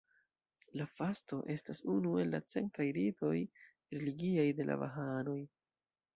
La Fasto estas unu el la centraj ritoj religiaj de la bahaanoj.